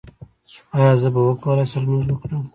ایا زه به وکولی شم لمونځ وکړم؟